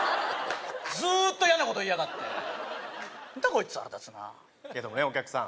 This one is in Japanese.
ずーっとヤなこと言いやがって何だこいつ腹立つなけどもねお客さん